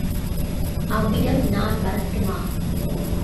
அவ்விடம் நான் வரட்டுமா?